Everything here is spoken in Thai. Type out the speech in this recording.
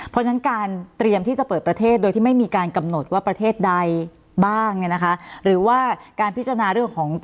เพราะฉะนั้นการเตรียมที่จะเปิดประเทศโดยที่ไม่มีการกำหนดว่าประเทศใดบ้าง